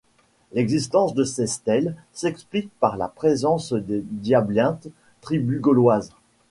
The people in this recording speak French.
L'existence de ces stèles s’explique par la présence des Diablintes, tribu gauloise.